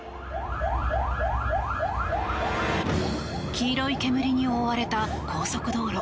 黄色い煙に覆われた高速道路。